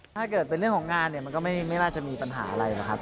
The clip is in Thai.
ถ้าเกิดเป็นเรื่องของงานเนี่ยมันก็ไม่น่าจะมีปัญหาอะไรหรอกครับ